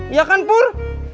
iya kan pur